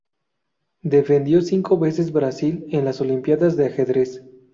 Defendió cinco veces Brasil en las Olimpiadas de Ajedrez.